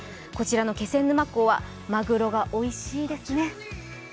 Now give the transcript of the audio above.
こちららの気仙沼港はまぐろがおいしいですね。